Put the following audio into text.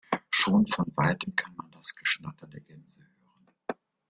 Schon von weitem kann man das Geschnatter der Gänse hören.